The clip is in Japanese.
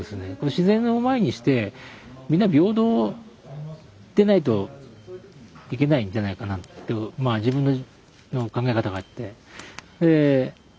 自然を前にしてみんな平等でないといけないんじゃないかなとまあ自分の考え方があって。